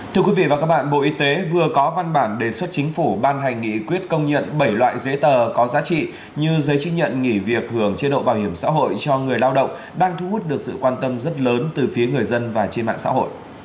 thưa quý vị và các bạn bộ y tế vừa có văn bản đề xuất chính phủ ban hành nghị quyết công nhận bảy loại giấy tờ có giá trị như giấy chứng nhận nghỉ việc hưởng chế độ bảo hiểm xã hội cho người lao động đang thu hút được sự quan tâm rất lớn từ phía người dân và trên mạng xã hội